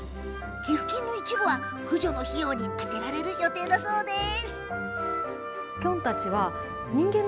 寄付金の一部は駆除の費用に充てられる予定だそうです。